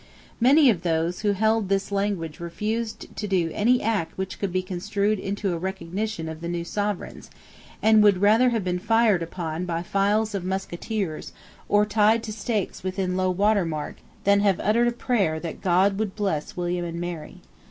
Many of those who held this language refused to do any act which could be construed into a recognition of the new Sovereigns, and would rather have been fired upon by files of musketeers or tied to stakes within low water mark than have uttered a prayer that God would bless William and Mary.